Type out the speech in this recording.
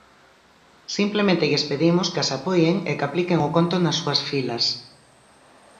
Simplemente lles pedimos que as apoien e que apliquen o conto nas súas filas.